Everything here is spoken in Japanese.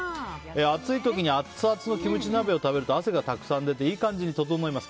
暑い時にアッツアツのキムチ鍋を食べると汗がたくさん出ていい感じに整います。